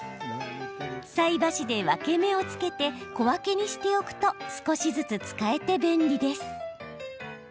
菜箸で分け目をつけて小分けにしておくと少しずつ使えて便利です。